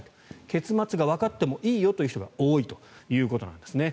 結末がわかってもいいよという人が多いということです。